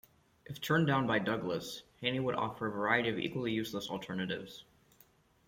If turned down by Douglas, Haney would offer a variety of equally useless alternatives.